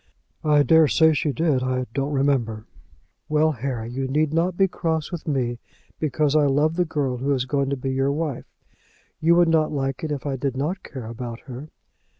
"I daresay she did. I don't remember." "Well, Harry; you need not be cross with me because I love the girl who is going to be your wife. You would not like it if I did not care about her."